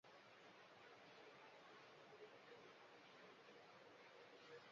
কারণ এই ছা দিনে বেশ কবার সে বের হয়ে গেছে।